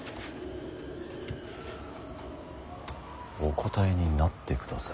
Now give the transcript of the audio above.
お答えになってください。